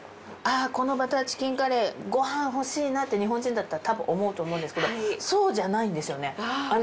あこのバターチキンカレーご飯欲しいなって日本人だったらたぶん思うと思うんですけどそうじゃないんですよね。